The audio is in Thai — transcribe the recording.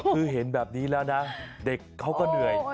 คือเห็นแบบนี้แล้วนะเด็กเขาก็เหนื่อย